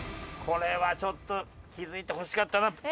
これはちょっと気づいてほしかったな。